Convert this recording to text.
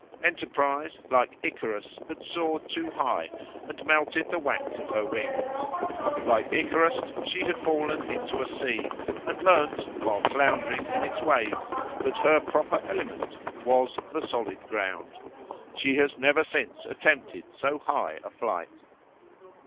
Enterprise, like Icarus, had soared too high, and melted the wax of her wings; like Icarus, she had fallen into a sea, and learned, while floundering in its waves, that her proper element was the solid ground. She has never since attempted so high a flight.